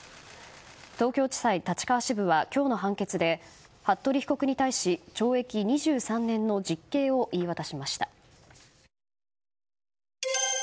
東京地裁立川支部は今日の判決で服部被告に対し懲役２３年の実刑を言い渡しました。